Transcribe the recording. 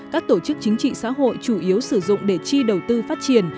các tổ chức chính trị xã hội chủ yếu sử dụng để chi đầu tư phát triển